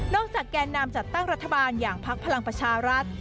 แก่นำจัดตั้งรัฐบาลอย่างพักพลังประชารัฐ